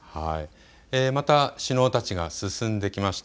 また首脳たちが進んできました。